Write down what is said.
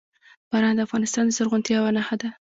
باران د افغانستان د زرغونتیا یوه نښه ده.